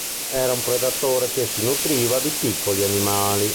Era un predatore che si nutriva di piccoli animali.